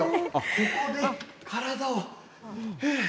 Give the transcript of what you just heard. ここで体をふー。